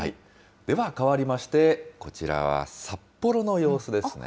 ではかわりまして、こちらは札幌の様子ですね。